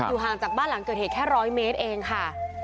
ห่างจากบ้านหลังเกิดเหตุแค่๑๐๐เมตรเองค่ะ